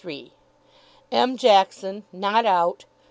33 M. Jackson, not out........................